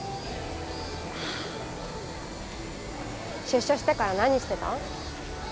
出所してから何してた？